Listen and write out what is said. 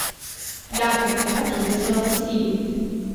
Date alternative sono possibili.